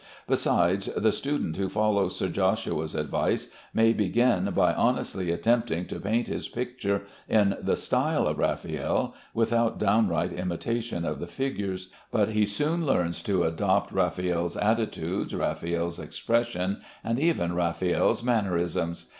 Besides, the student who follows Sir Joshua's advice may begin by honestly attempting to paint his pictures in the style of Raffaelle without downright imitation of the figures, but he soon learns to adopt Raffaelle's attitudes, Raffaelle's expression, and even Raffaelle's mannerisms.